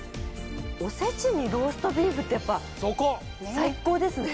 おせちにローストビーフってやっぱ最高ですね。